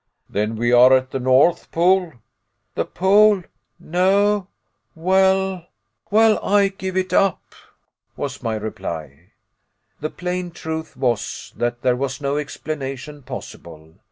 "Then we are at the North Pole " "The Pole no well well I give it up," was my reply. The plain truth was, that there was no explanation possible.